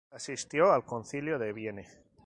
Asistió al concilio de Vienne.